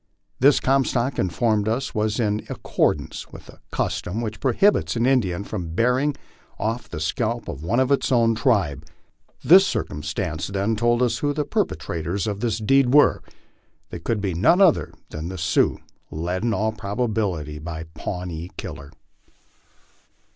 This, Comstock informed us, was in accordance with a custom which prohibits an Indian from bearing off the scalp of one of his own tribe. This circumstance, then, told us who the perpetrators of this deed were. They could be none other than the Sioux, led in all probability by Pawnee Killer.